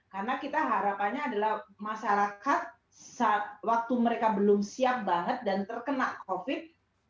karena kita harapannya adalah masyarakat waktu mereka belum siap banget dan terkena covid